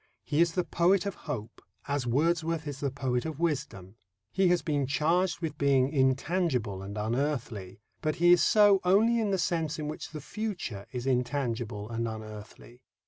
He is the poet of hope, as Wordsworth is the poet of wisdom. He has been charged with being intangible and unearthly, but he is so only in the sense in which the future is intangible and unearthly.